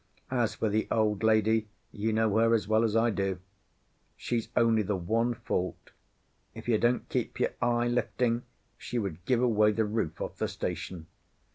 As for the old lady, you know her as well as I do. She's only the one fault. If you don't keep your eye lifting she would give away the roof off the station.